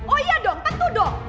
oh iya dong tentu dong